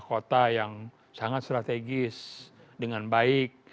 kota yang sangat strategis dengan baik